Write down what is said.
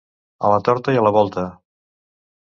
A la torta i a la volta.